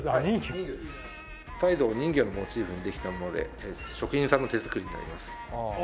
サイドを人魚のモチーフにできたもので職人さんの手作りになります。